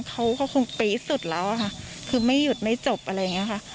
เขาก็คงปี๊ดสุดแล้วอะค่ะคือไม่หยุดไม่จบอะไรอย่างนี้ค่ะ